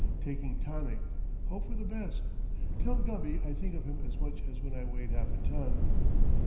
Taking tonic. Hope for the best. Tell Gubby I think of him as much as when I weighed half a ton.